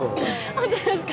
本当ですか？